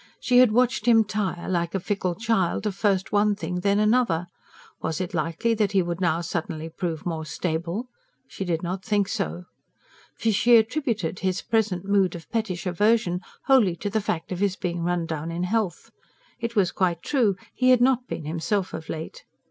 She had watched him tire, like a fickle child, of first one thing, then another; was it likely that he would now suddenly prove more stable? She did not think so. For she attributed his present mood of pettish aversion wholly to the fact of his being run down in health. It was quite true: he had not been himself of late.